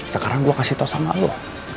sekarang gue kasih tau sama allah